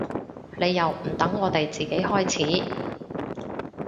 你又唔等我哋自己開始